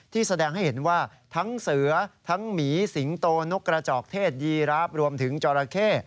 แสดงให้เห็นว่าทั้งเสือทั้งหมีสิงโตนกกระจอกเทศยีราฟรวมถึงจอราเข้